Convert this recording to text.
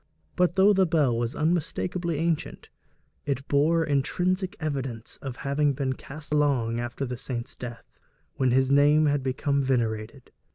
But though the bell was unmistakably ancient, it bore intrinsic evidence of having been cast long after the saint's death, when his name had become venerated.